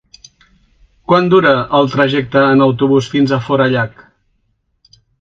Quant dura el trajecte en autobús fins a Forallac?